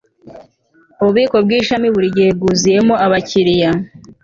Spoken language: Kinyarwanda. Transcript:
ububiko bwishami buri gihe bwuzuyemo abakiriya